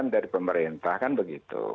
dari pemerintah kan begitu